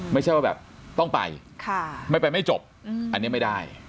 ไม่ใช่ว่าแบบต้องไปไม่ไปไม่จบอันนี้ไม่ได้